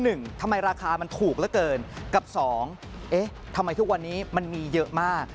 ทำไมราคามันถูกเหลือเกินกับสองเอ๊ะทำไมทุกวันนี้มันมีเยอะมาก